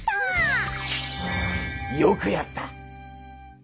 よくやった！